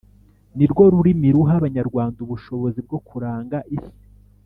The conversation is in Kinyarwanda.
Ni rwo rurimi ruha Abanyarwanda ubushobozi bwo kuranga isi,